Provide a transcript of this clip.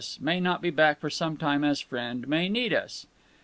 May not be back for some time as friend may need us."